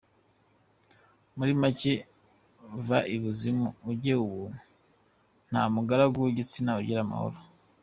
Muri make va ibuzimu ujye ubuntu, nta mugaragu w’igitsina ugira amahoro.